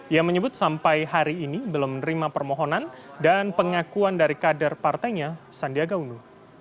ia menyebut sampai hari ini belum menerima permohonan dan pengakuan dari kader partainya sandiaga uno